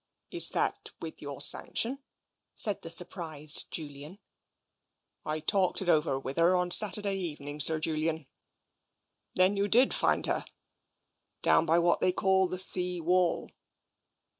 Is that with your sanction?" said the surprised Julian. "I talked it over with her on Saturday evening, Sir Julian." Then you did find her?" Down by what they call the sea wall."